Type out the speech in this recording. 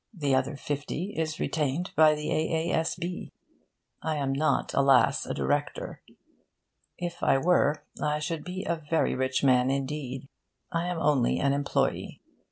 The other fifty is retained by the A.A.S.B. I am not, alas, a director. If I were, I should be a very rich man indeed. I am only an employe'.